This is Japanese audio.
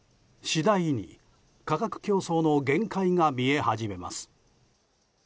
次第に、価格競争の限界が見え始めます。